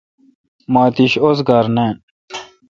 مہ اتش اوزگار نان۔